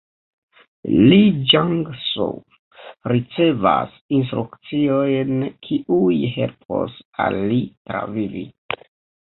Lee Jung-soo ricevas instrukciojn kiuj helpos al li travivi.